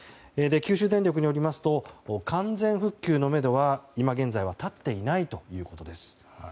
九州電力によりますと完全復旧のめどは今現在は立っていないということです。